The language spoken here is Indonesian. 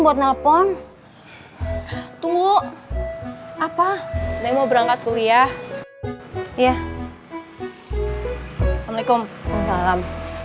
assalamualaikum saya salam